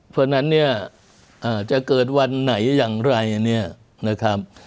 เพราะฉะนั้นเนี่ยจะเกิดวันไหนอย่างไรเนี่ยนะครับ